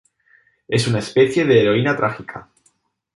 Es una especie de heroína trágica.